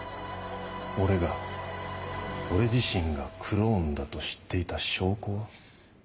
俺が俺自身がクローンだと知っていた証拠は？